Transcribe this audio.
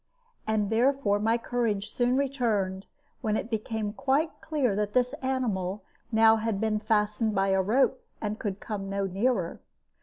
And therefore my courage soon returned, when it became quite clear that this animal now had been fastened with a rope, and could come no nearer.